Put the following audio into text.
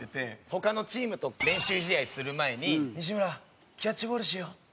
他のチームと練習試合する前に「西村キャッチボールしよう」って言うんですよ。